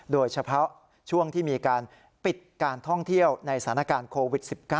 โดยเฉพาะช่วงที่มีการปิดการท่องเที่ยวในสถานการณ์โควิด๑๙